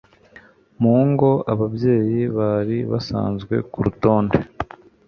mu ngo ababyeyi bari basanzwe ku rutonde